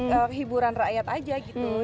kehiburan rakyat aja gitu